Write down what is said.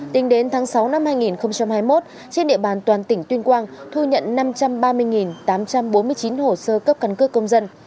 tính đến tháng sáu năm hai nghìn hai mươi một trên địa bàn toàn tỉnh tuyên quang thu nhận năm trăm ba mươi tám trăm bốn mươi chín hồ sơ cấp căn cước công dân